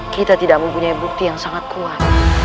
kita tidak mempunyai bukti yang sangat kuat